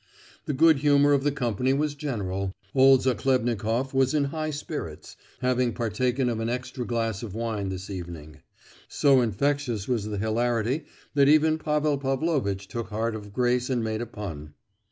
The good humour of the company was general, old Zachlebnikoff was in high spirits, having partaken of an extra glass of wine this evening. So infectious was the hilarity that even Pavel Pavlovitch took heart of grace and made a pun.